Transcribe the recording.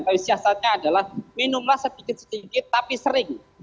tapi siasatnya adalah minumlah sedikit sedikit tapi sering